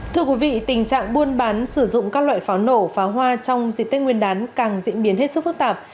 thưa quý vị tình trạng buôn bán sử dụng các loại pháo nổ pháo hoa trong dịp tết nguyên đán càng diễn biến hết sức phức tạp